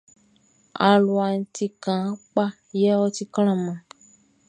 Aluaʼn ti kaan kpa yɛ ɔ ti klanman.